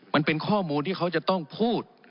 มันเป็นข้อมูลที่เขาจะต้องพูด